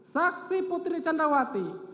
saksi putri candawati